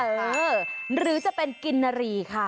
หรือจะเป็นกินนารีค่ะ